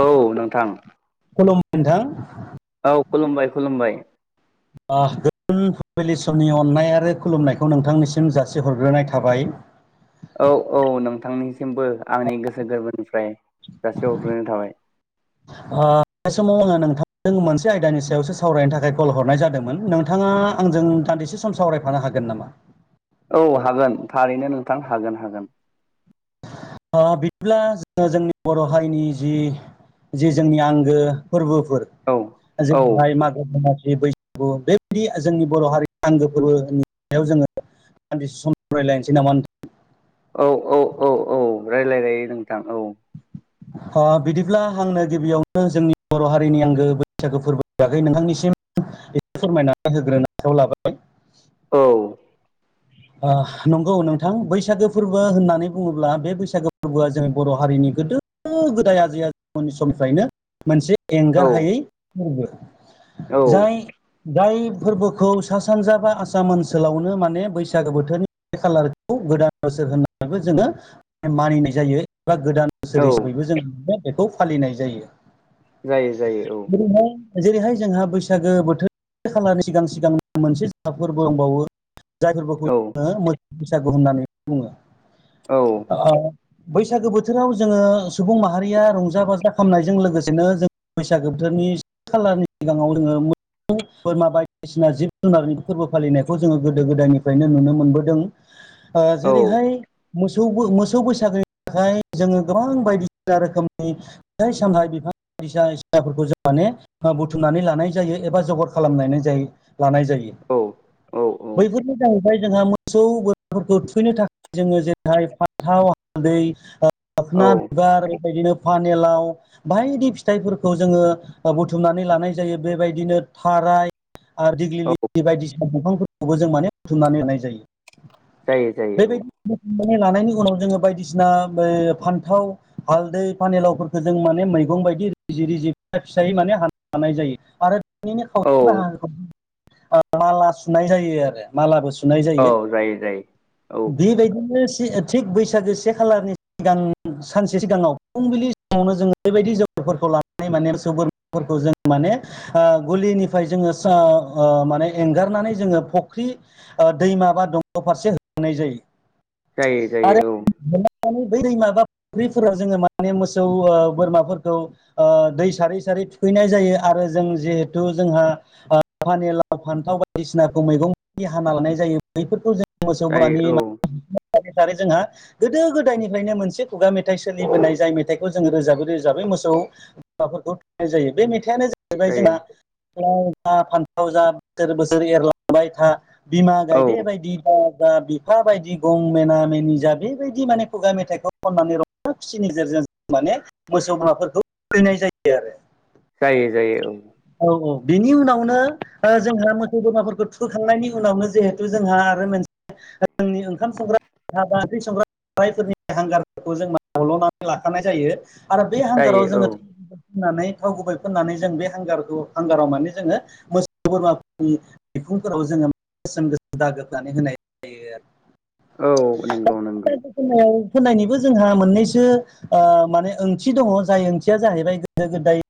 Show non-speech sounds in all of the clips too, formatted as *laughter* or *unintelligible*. औ नोंथां खुलुम नोंथां। औ खुलुमबाय खुलुमबाय। गोजोन फुंबिलि समनि अननाय आरो खुलुमनायखौ नोंथांनिसिम जासि हरग्रोनाय थाबाय। औ औ नोंथांनिसिमबो आंनि गोसो गोरबोनिफ्राय जासे हरग्रोनो थाबाय। *inaudible* ओ बे समाव आङो नोंथांजों मोनसे आयदानि सायावसो सावरायनो थाखाय कल हरनाय जादोंमोन नोंथाङा आंजों सानदिसे सम सावरायफानो हागोन नामा औ हागोन थारैनो नोंथां हागोन हागोन बिदिब्ला जोङो जोंनि बर' हारिनि जि जे जोंनि आंगो फोरबोफोर औ औ जेरैहाय मागो दमासि बैसाग बेबायदि जोंनि बर' हारि आंगो फोरबोनि सायाव जोङो दानदिसे सम रायलायनोसै नामा नों औ औ औ औ औ रायलायजायो नोंथां औ अ बिदिब्ला आंनो गिबियावनो जोंनि बर' हारिनि आंगो बैसागो फोरबो बागौ नोंथांनिसिम एसे फोरमायनानै होग्रोनो आखायाव लाबाय औ ओ नंगौ नोंथां बैसागो फोरबो होननानै बुङोब्ला बे बैसागो फोरबोआ जोंनि बर' हारिनि गोदो गोदो गोदाय आजै आनि समनिफ्रायनो मोनसे एंगार औ हायै फोरबो जाय औ जाय फोरबोखौ सा सानजा बा आसाम ओनसोलावनो माने बैसाग बैसागो बोथोरनि बे खालारखौ गोदान बोसोर होननानैबो जोङो मानिनाय जायो बा गोदान बोसोर औ हिसाबैबो जों बेखौ फालिनाय जायो जायो जायो बिहाय जेरैहाय जोंहा बैसागो बोथोर खालार सिगां सिगां मोनसे जाबफोरबो दंबावो जाय फोरबोखौ औ जोङो मोसौ बैसागु होननानै बुङो औ बैसागो बोथोराव जोङो सुबुं माहारिया रंजा बाजा खामनायजों लोगोसेनो जों बैसागो बोथोरनि सेथि खालारनि सिगाङाव जोङो बोरमा बायदिसिना जिब जुनारनि फोरबो फालिनायखौ जोङो गोदो गोदायनिफ्राय नो नुनो मोनबोदों ओ औ जेरैहाय मोसौ मोसौ बैसागोनि थाखाय जोङो गोबां बायदिसिना रोखोमनि फिथाइ सामथाइ बिफां फिसाफोरखौ जों माने बुथुमनानै लानाय जायो एबा जगर खालामलायनाय जायो लानाय जायो औ औ बैफोरनि बेनिफ्राय जोंहा मोसौ बोराफोरखौ थुखैनो थाखाय जोङो जेरैहाय फान्थाव हालदै औ लोखना बिबार बेबायदिनो फानिलाव बायदि फिथाइफोरखौ जोङो बुथुमनानै लानाय जायो बेबायदिनो थाराय आरो औ दिग्लिलि बायदिसिना दंफांफोरखौबो जों माने बुथुमनानै होनाय जायो जायो जायो औ बुथमनानै लानायनि उनाव जोङो बायदिसिना जों फान्थाव हालदै फानिलावफोरखौ जों माने मैगं बायदि रिजि रिजि फिसायै माने हानाय जायो आरो बिनि औ खावसे बाहागोखौ माला सुनाय जायो आरो मालाबो सुनाय औ जायो जायो औ बेबायदिनो *unintelligible* थिग बैसागो से खालारनि सिगां सानसे सिगाङाव फुंबिलि सिमावनो जोङो बेबायदि जगफोरखौ लानानै माने बोरमाफोरखौ जों माने ओ गलिनिफ्राय जोङो माने एंगारनानै जोङो फुख्रि ओ दैमा बा दंग' फारसे होनाय जायो जायो जायो औ माने बै दैमा बा फख्रिफोराव जोङो माने मोसौ बोरमाफोरखौ ओ दै सारै सारै थुखैनाय जायो आरो जों जिहेथु जोंहा ओ पानिलाव फान्थाव बायदिसिनाखौ मैगं हाना लानाय जायो बैफोरखौ जों मोसौ बोरानि जायो औ सार सारै जोंहा गोदो गोदायनिफ्रायनो मोनसे खुगा मेथाइ सोलिबोनाय जाय मेथाइखौ जोङो रोजाबै रोजाबै मोसौ फोरखौ जायो बे मेथाइआनो जा जाहैबाय जोंह जायो लाउ जा फान्थाव जा बोसोर बोसोर एरलांबाय था बिमा गायदे औ बायदि जा बिफा बायदि गं मेना मेनि जा बेबायदि माने खुगा मेथाइखौ खननानै रंजा खिसिनि गेजेरजों माने मोसौ बोरमाफोरखौ थुखैनाय जायो आरो जायो जायो औ औ औ बिनि उनावनो जोंहा मोसौ बोरमाफोरखौ थोखांनायनि उनावनो जिहेथु जोंहा आरो मोनसे जोंनि ओंखाम संग्रा भाजा ओंख्रि संग्रा साराइफोरनि हांगारफोरखौ जों हल'नानै लाखानाय जायो *unintelligible* आरो बे हांगाराव जायो जोङो औ फनानै थाव गुबै फुननानै जों बे हांगार हांगाराव माने जोङो मोसौ बोरमाफोरनि बिखुंफोराव जोङो गोसोम गोसोम दागो होनानै होनाय जायो आरो औ नंगौ नंगौ फोननायनिबो जोंहा मोननैसो ओ माने ओंथि दङ जाय ओंथिया जाहैबाय गोदो गोदाय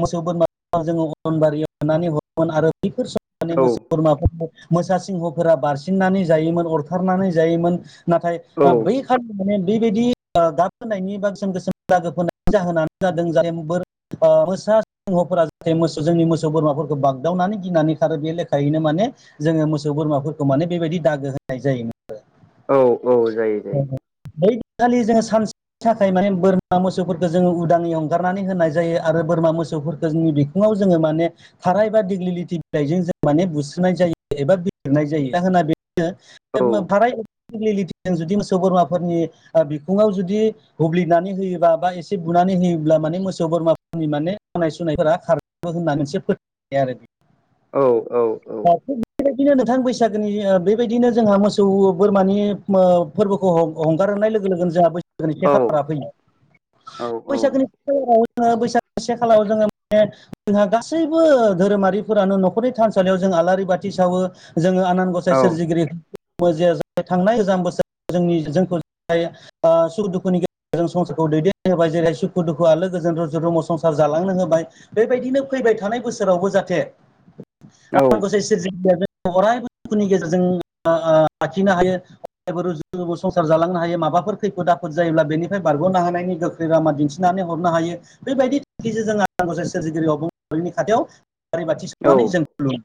मोसौ बोरमा जोङो अरनबारियाव होनानै हरोमोन आरो बैफोर सम औ मोसौ बोरमा मोसा सिंहफोरा बारसिननानै जायोमोन अरथारनानै जायोमोन नाथाय औ बै माने बेबायदि गाब होनायनि बा गोसोम गोसोम दागो फोनायनि जाहोनानो जादों जाथे बोर मोसा सिंहफोरा जाहाथे मोसौ जोंनि मोसौ बोरमाफोरखौ बाग्दावनानै गिनानै खारो बे लेखायैनो माने जोङो मोसौ बोरमाफोरखौ माने बेबायदि दागो होनाय जायो औ औ जायो जायो बैखालि जोङो सानसे नि थाखाय माने बोरमा मोसौफोरखौ जोङो उदाङै हंगारनानै होनाय जायो आरो बोरमा मोसौफोरखौ जोंनि बि फुङाव जोङो माने थाराइ बा दिेग्लिटि बिलाइजों जों माने बुस्रिनाय जायो एबा बिलिरनाय जायो जाहोना बेनो औ थाराइ दिग्लिलिथिजों जुदि मोसौ बोरमाफोरनि बिखुङाव जुदि हुुब्लिनानै होयोबा बा एसे बुनानै होयोब्ला माने मोसौ बोरमाफोरनि माने सानाय सुनायफोरा खार होनना मोनसे फोथायनाय आरो बियो औ औ औ बेबायदिनो नोंथां बैसागोनि बेबायदिनो जोंहा मोसौ बोरमानि फोरबोखौ हंगार होननाय लोगो लोगोनो जोंहा बैसागोनि औ से खालारा फैयो औ बैसागोनि खालाव जोङो बैसागो से खालाराव जोङो माने जोंहा गासैबो धोरोमारिफोरानो न'खरनि थानसालियाव जों आलारि बाथि सावो जोङो आनान गसाय औ सोरजिगिरि जे थांनाय गोजाम बोसोर जोंनि जोंखौ सुखु दुखुनि गेजेरजों संसारखौ दैदेननो होबाय जेरै सुखु दुखु आलो गोजोन रुजु रुमु संसार जालांनो होबाय बेबायदिनो फैबाय थानाय बोसोरावबो जाहाथे औ आनान गसाइ सोरजिगिरिया जोंखौ अरायबो सुखुनि गेजेरजों लाखिनो हायो रुजु रुमु संसार जालांनो हायो माबाफोर खैफोद आफोद जायोब्ला बेनिफ्राय बारग'नो हानायनि गोख्रो लामा दिन्थिनानै हरनो हायो बेबायदि थांखिजों जों आनान गसाइ सोरजिगिरि अबं लाउरिनि खाथियाव आलारि बाथि औ सावनानै जों खुलुमो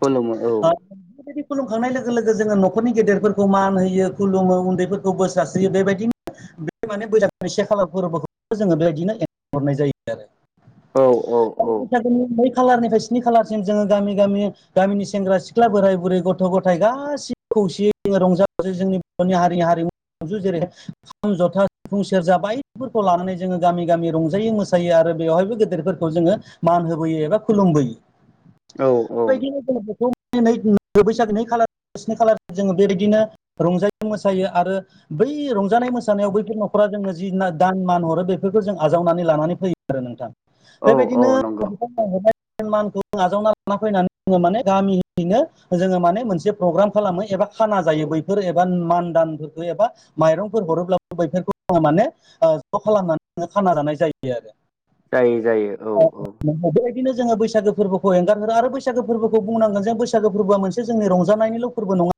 खुलुमो औ बेफोरबायदि खुलुमखांनाय लोगो लोगो जोङो न'खरनि गेदेरफोरखौ मान होयो खुलुमो उन्दैफोरखौ बोर सारस्रियो बेबायदिनो बे माने बैसागनि से खालार फोरबोखौ जोङो बेबायदिनो हरनाय जायो आरो औ औ सानसे बैसाग नै खालारनिफ्राय स्नि खालारसिम जोङो गामि गामि गामिनि सेंग्रा सिख्ला बोराय बुरै गथ' गथाय गासै खौसेयै जों रंजा जोंनि बर'नि हारि हारिमु जेरै खाम जथा सिफुं सेरजा बायदिफोरखौ लानानै जोङो गामि गामि रंजायै मोसायो आरो बेवहायबो गेदेरफोरखौ जोङो मान होबोयो एबा खुलुमबोयो औ औ बेबायदिनो जोङो बेखौ दिनै बैसागो नै खालार स्नि खालार जोङो बेबायदिनो रंजायो मोसायो आरो बै रंजानाय मोसानायाव बैफोर न'खरा जोंनो जिना दान मान हरो बेफोरखौ जों आजावनानै लानानै फैयो आरो नोंथां औ औ बेबायदिनो नंगौ *unintelligible* आजावना लाना फैनानै जोङो माने गामियैनो जोङो माने मोनसे प्रग्राम खालामो एबा खाना जायो बैफोर एबा मान दानफोरखौ एबा माइरंफोर हरोब्लाबो *unintelligible* माने ओ ज' खालामनानै खाना जानाय जायो। दि जायो जायो औ आरो *unintelligible* *unintelligible* बेबायदिनो बैसागो फोर्बोखौ एंगार हरो आरो बैसागो फोर्बोखौ बुंनांगोन जों बैसागो फोर्बोआ मोनसे जोंनि रंज जानायनिल' फोर्बो नङा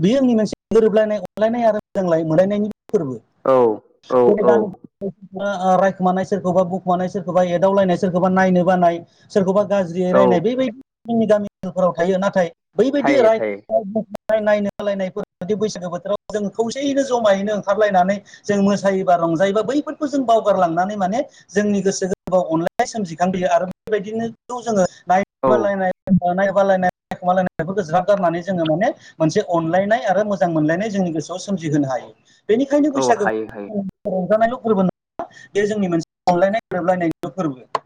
बेयो *unintelligible* गोरोबलायनाय अनलायनाय आरो *unintelligible* फोर्बो। औ औ औ *unintelligible* *unintelligible* ओ रायखुमानाय सोरखौबा बुखुमानाय सोरखौबा एदावलायनाय सोरखौबा नायनो बानाय सोरखौबा गाज्रियै औ रायनाय बेबाय *inaudible* जोंनि गामि ओनोलफोराव थायो नाथाय बैबायदि थायो राइ थायो *unintelligible* बैसागो बोथोराव जों खौसेयैनो जमायैनो ओंखारलायनानै जों मोसायोबा रंजायोबा बैफोरखौ जों बावगारलांनानै माने जोंनि गोसो गोरबोआव अनलायनाय सोमजिखांबोयो आरो बेबायदिनो जोङो औ नाय *unintelligible* गारनानै जोङो माने मोनसे अनलायनाय आरो मोजां मोनलायनाय जोंनि गोसोआव सोमजिहोनो हायो। बेनिखायनो औ बैसागो हायो हायो *inaudible* रंजानायल' फोर्बो नङा बे जोंनि मोनसे अनलायनाय गोरोबलायनायनिबो फोर्बो।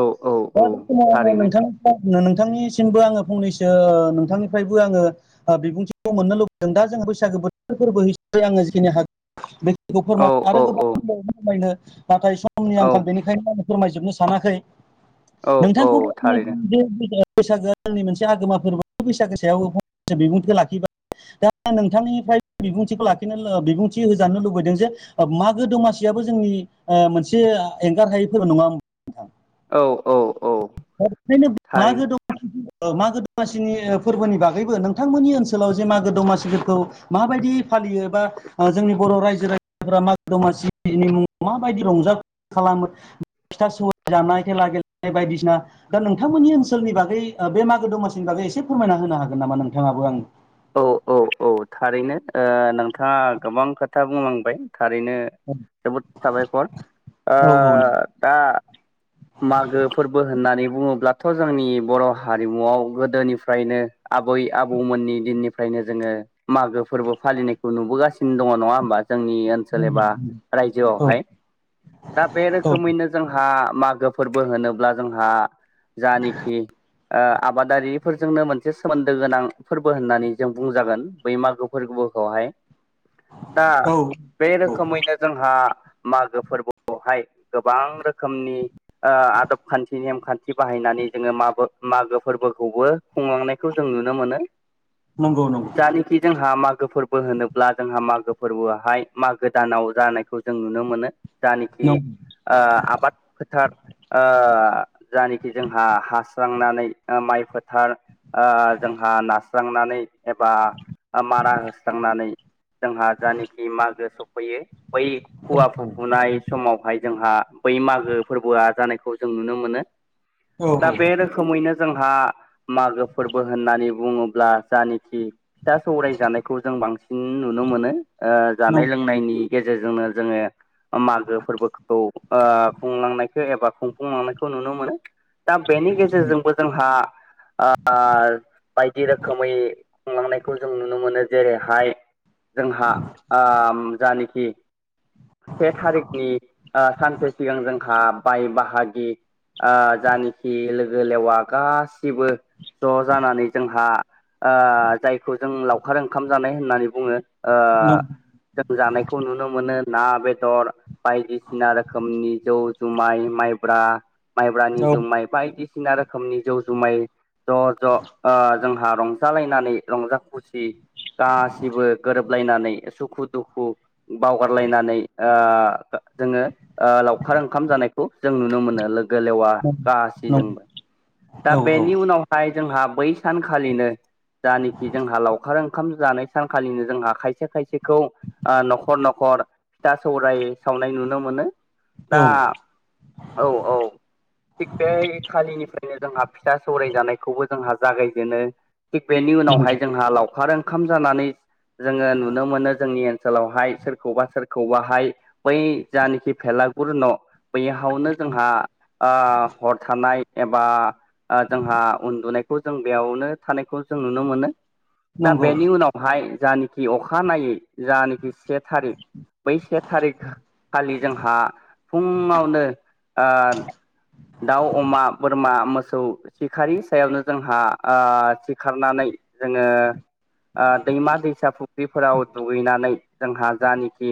औ औ औ *unintelligible* थारैनो नोंथांनिसिमबो आङो फंनैसो नों थांनिफ्रायबो आङो ओ बिबुंथिखौ मोननो लुबैदों दा जों बैसागो बोथोर फोर्बो *inaudible* आङो जिखिनि हाग औ औ औ *unintelligible* नाथाय समनि औ आंखाल बेनिखायनो आं फोरमायजोबनो सानाखै औ औ नोंथांखौबो थारैनो आङो *unintelligible* बैसागोआ जोंनि मोनसे आगोमा फोर्बो बैसागो सायाव *unintelligible* बिबुंथि लाखिबाय। दा नोंथांनिफ्राय बिबुंथिखौ लाखिनो ओ बिबुंथि होजानो लुबैदों जे ओ मागो दमासियाबो जोंनि ओ मोनसे एंगार हायै फोर्बो नङा होम औ औ औ। *unintelligible* ओ थारैनो मागो दमासिनि ओ फोर्बोनि बागैबो नोंथांमोननि ओनसोलाव जे मागो दमासिफोरखौ माबायदि फालियो बा ओ जोंनि बर' रायजो राजाफोरा मागो दमासिनि मुङाव माबायदि रंजा खालामो फिथा सौराय जानाय खेला गेलेनाय बायदिसिना दा नोंथांमोननि ओनसोलनि बागै ओ बे मागो दमासिनि बागै एसे फोरमायना होनो हागोन नामा नोंथाङाबो आंनो? औ औ औ थारैनो ओ नोंथाङा गोबां खोथा बुंलांबाय थारैनो जोबोद साबायखर ओ औ दा मागो फोर्बो होननानै बुङोब्लाथ' जोंनि बर' हारिमुआव गोदोनिफ्रायनो आबै आबौमोननि दिननिफ्रायनो जोङो मागो फोर्बो फालिनायखौ नुबोगासिनो दङ नङा होमबा जोंनि ओन सोल एबा रायजोआवहाय दा बे रोखोमैनो जोंहा मागो फोर्बो होनोब्ला जोंहा जानोखि ओ आबादारिफोरजोंनो मोनसे सोमोन्दो गोनां फोर बो होननानै जों बुंजागोन बै मागो फोर्बोखौहाय। दा औ बे औ रोखोमैनो जोंहा मागो फोर्बोआवहाय गोबां रोखोमनि ओ आदब खान्थि नेमखान्थि बाहायनानै जोङो माबो मागो फोर्बोखौबो खुंलांनायखौ जों नुनो मोनो। नंगौ नं जानिखि जोंहा मागो फोर्बो होनोब्ला जोंहा मागो फोर्बोआहाय मागो दानाव जानायखौ जों नुनो मोनो जानिखि नंगौ ओ आबाद फोथार ओ जानिखि जोंहा हास्रांनानै ओ माइ फोथार ओ जोंहा नास्रांनानै एबा ओ मारा होस्रांनानै जोंहा जानाखि मागो सफैयो बै फुवा फुफुनाय समावहाय जोंहा। बै मागो फोरबोआ जानायखौ जों नुनो मोनो औ दा बेरोखोम रोखोमैनो जोंहा मागो फोरबो होननानै बुङोब्ला जानाखि फिथा सौराय जानायखौ जों बांसिन नुनो मोनो ओ नं जानाय लोंनायनि गेजेरजोंनो जोङो। मागो फोरबोखौ ओ खुंलांनायखौ एबा खुंफुंलांनायखौ नुनो मोनो। दा बेनि गेजेरजोंबो जोंहा ओ बायदि रोखोमै खुंलांनायखौ जों नुनो मोनो जेरैहाय जोंहा ओम जानाखि से थारिखनि ओ सानसे सिगां जोंहा बाय बाहागि ओ जानखि लोगो लेवा गासिबो ज' जानानै जोंहा ओ जायखौ जों लावखार ओंखाम जानाय होननानै बुङो। ओ नं जों जानायखौ नुनो मोनो ना बेदर बायदिसिना रोखोमनि जौ। जुमाय माइब्रा माइब्रानि औ जुमाइ बायदिसिना रोखोमनि जौ जुमाय ज' ज'। ओ जोंहा रंजालायनानै रंजा खुसि गासिबो गोरोब लायनानै सुखु दुखु बावगारलायनानै ओ जोङो लावखार ओंखाम जानायखौ जों नुनो मोनो। गोलेवा नं नं गासैजोंबो दा औ औ बेनि उनाव फाय जोंहा बै सानखालिनो जानाखि जोंहा लावखार ओंखाम जानाय। सानखालिनो जोंहा खायसे खायसेखौ ओ न'खर न'खर फिथा सौराय सावनाय नुनो मोनो दा औ औ औ थिग बे खालिनिफ्रायनो जोंहा फिसा सौराय जानायखौबो जोंहा जागायजेनो थिग बेनि नंगौ उनावहाय जोंहा लावखार ओंखाम जानानै जोङो नुनो मोनो जोंनि ओनसोलावहाय सोरखौबा सोरखौबाहाय बै जानाखि भेलागुर न' बैयावनो जोंहा ओ हर थानाय एबा जोंहा उन्दुनाय। खौ जों बेयावनो थानायखौ जों नुनो मोनो दा नंगौ बेनि उनाव हाय जानाखि अखा नायै जानाखि से थारिख बै से थारिख खालि जोंहा फुङावनो ओ दाउ अमा बोरमा मोसौ सिखारारि सायावनो जोंहा ओ सिखारनानै जोङो ओ दैमा दैसा फुख्रिफोराव दुगैनानै जोंहा जानखि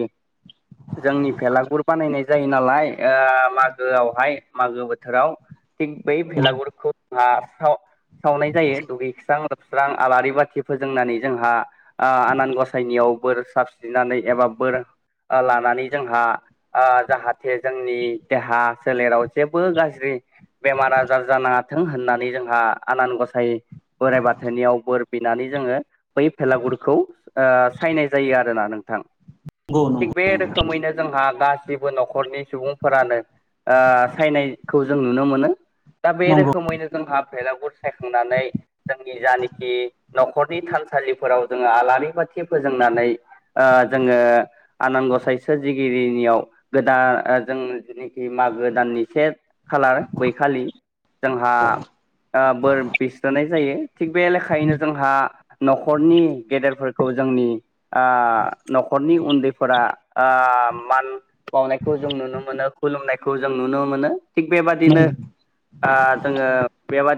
जोंनि भेलागुर बानायनाय जायो नालाय मागोआवहाय मागो बोथोराव थिग बै भलागुरखौ हा साव सावनाय जायो दुगैस्रां लोबस्रां आलारि बाथि फोजोंनानै जोंहा ओ आनान गसायनियाव बोर साब सि्रिनानै एबा बोर ओ लानानै जोंहा ओ जाहा हाथे जोंनि देहा सोलेराव जेबो गाज्रि बेमार आजार जानाङा थों होननानै जोंहा आनान गसाइ बोराइ बाथोननियाव बोर बिनानै जोङो बै भेलागुरखौ ओ सायनाय जायो आरोना नोंथां नंगौ थिग बे नंगौ रोखोमैनो जोंहा गासिबो न'खरनि सुबुंफोरानो ओ सायनायखौ जों नुनो मोनो दा बे नंगौ रोखोमैनो जोंहा फेलागुर सायखांनानै जोंनि जानखि न'खरनि थानसालिफोराव जोङो आलारि बाथि फोजोंनानै ओ जोङो आनान गसाइ सोरजिगिरिनियाव गोदान ओ जों जेनेखि मागो दाननि से खालार बैखालि जोंहा बोर बिस्रोनाय जायो। थिग बे लेखायैनो जोंहा न'खरनि गेदेरफोरखौ जोंनि आं न'खरनि उन्दैफोरा आ मान बावनायखौ जों नुनो मोनो खुलुमनायखौ जों नुनो मोनो। थिग बेबादिनो नंगौ ओ जोङो बेबादि